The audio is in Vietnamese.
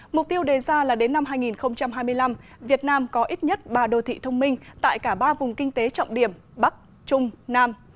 mục tiêu đề ra là đến năm hai nghìn hai mươi năm việt nam có ít nhất ba đô thị thông minh tại cả ba vùng kinh tế trọng điểm bắc trung nam